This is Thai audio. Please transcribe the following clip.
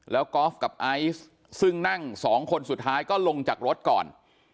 แล้วกอล์ฟกับไอซ์ซึ่งนั่งสองคนสุดท้ายก็ลงจากรถก่อน